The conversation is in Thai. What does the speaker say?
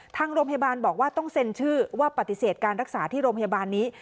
ทางโรงพยาบาลบอกว่าต้องเซ็นชื่อว่าปฏิเสธการรักษาที่โรงพยาบาลนี้